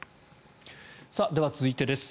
では、続いてです。